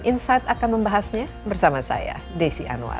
insight akan membahasnya bersama saya desi anwar